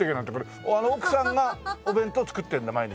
奥さんがお弁当を作ってるんだ毎日。